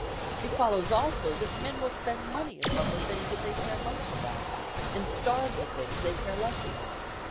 It follows also that men will spend money upon the things they care most about, and starve the things they care less about.